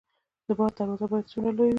د باغ دروازه باید څومره لویه وي؟